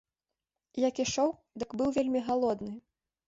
Як ішоў, дык быў вельмі галодны.